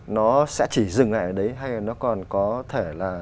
nó sẽ chỉ dừng lại ở đấy hay là nó còn có thể là